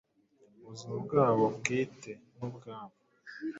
ubuzima bwabo bwite nubwabo